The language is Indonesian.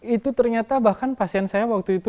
itu ternyata bahkan pasien saya waktu itu